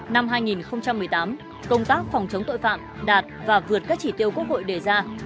năm hai nghìn một mươi tám công tác phòng chống tội phạm đạt và vượt các chỉ tiêu quốc hội đề ra